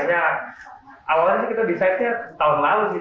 sampai akhirnya awalnya sih kita decide nya tahun lalu sih